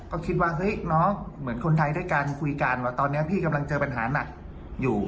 ก็คิดว่าเฮ้ยน้องเหมือนคนไทยด้วยกันคุยกันว่าตอนนี้พี่กำลังเจอปัญหาหนักอยู่